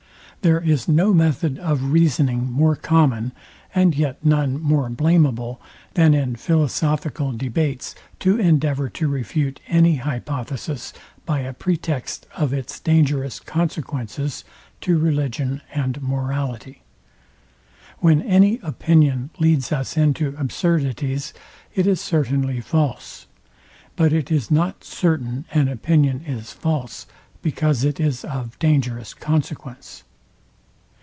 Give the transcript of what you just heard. There is no method of reasoning more common, and yet none more blameable, than in philosophical debates to endeavour to refute any hypothesis by a pretext of its dangerous consequences to religion and morality. When any opinion leads us into absurdities, it is certainly false; but it is not certain an opinion is false, because it is of dangerous consequence.